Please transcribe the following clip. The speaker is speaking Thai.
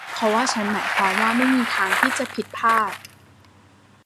เพราะว่าฉันหมายความว่าไม่มีทางที่จะผิดพลาด